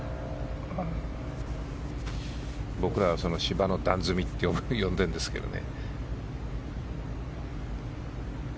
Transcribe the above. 僕らは芝の段積みって呼んでるんですけどね。